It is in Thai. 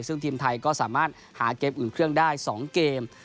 ซึ่งทีมไทยก็สามารถหาเกมอุ่นเครื่องได้๒เกม